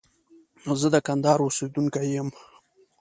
زه د کندهار اوسيدونکي يم.